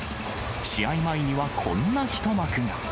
試合前にはこんな一幕が。